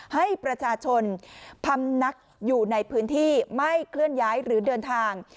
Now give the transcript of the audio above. ให้ประชาชนพำนักอยู่ในพื้นที่ไม่เคลื่อนย้ายหรือเดินทาง